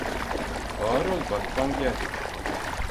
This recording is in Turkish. Ağır ol batman gel.